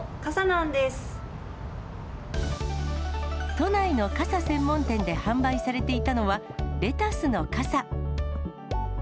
都内の傘専門店で販売されていたのは、レタスの傘。